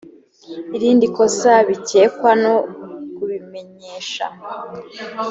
irindi kosa bikekwa no kubimenyesha